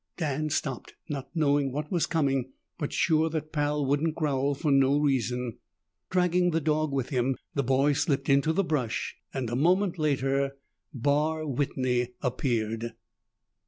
Dan stopped, not knowing what was coming but sure that Pal wouldn't growl for no reason. Dragging the dog with him, the boy slipped into the brush and a moment later Barr Whitney appeared.